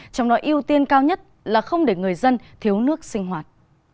trong đó ưu tiên cao nhất là không để người dân thiếu nước sinh hoạt